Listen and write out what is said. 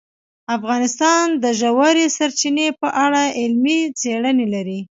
افغانستان د ژورې سرچینې په اړه علمي څېړنې لري.